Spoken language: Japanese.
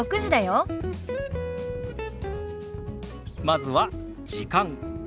まずは「時間」。